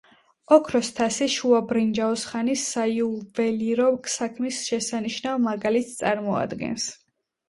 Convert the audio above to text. ოქროს თასი შუა ბრინჯაოს ხანის საიუველირო საქმის შესანიშნავ მაგალითს წარმოადგენს.